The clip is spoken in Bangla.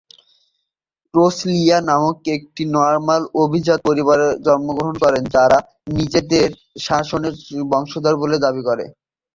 রোসালিয়া একটি নর্মান অভিজাত পরিবারে জন্মগ্রহণ করেন, যারা নিজেদেরকে শার্লেমেনের বংশধর বলে দাবি করে।